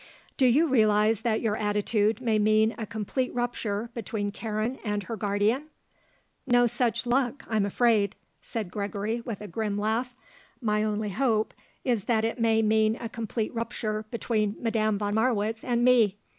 "Do you realize that your attitude may mean a complete rupture between Karen and her guardian?" "No such luck; I'm afraid!" said Gregory with a grim laugh. "My only hope is that it may mean a complete rupture between Madame von Marwitz and me.